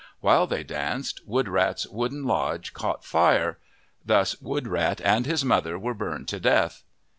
While they danced, Woodrat's wooden lodge caught fire. Thus Woodrat and his mother were burned to death.